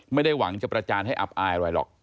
ไม่ได้หวังจะประจานให้อับอายอะไรหรอก